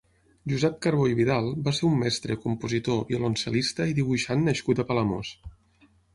Josep Carbó i Vidal va ser un mestre, compositor, violoncel·lista i dibuixant nascut a Palamós.